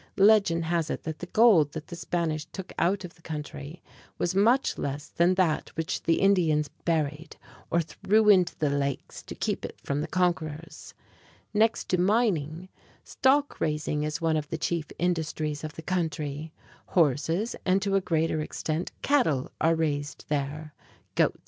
Legend has it that the gold that the Spanish took out of the country was much less than that which the Indians buried or threw into the lakes to keep it from the conquerors. Next to mining, stock raising is one of the chief industries of the country. Horses and, to a greater extent, cattle, are raised there. Goats and sheep are also a source of profit.